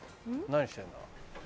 何してんだ？